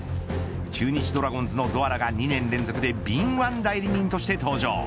中日ドラゴンズのドアラが２年連続で敏腕代理人として登場。